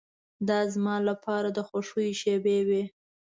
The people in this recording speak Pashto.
دا زما لپاره د خوښیو شېبې وې.